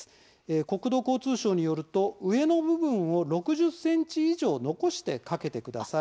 国土交通省によると上の部分を６０ｃｍ以上残して掛けてください。